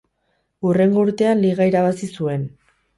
Hurrengo urtean Liga irabazi zuen.